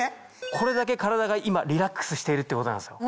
これだけ体が今リラックスしているってことなんですよ。